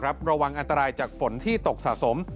ระวังอันตรายจากฝนที่ตกสะสม